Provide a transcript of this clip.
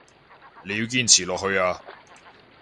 你要堅持落去啊